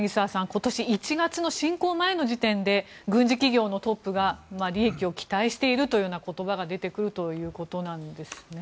今年１月の侵攻前の時点で軍事企業のトップが利益を期待しているという言葉が出てくるということなんですね。